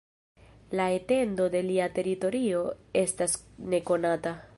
La etendo de lia teritorio estas nekonata.